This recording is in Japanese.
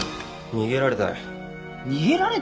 逃げられた？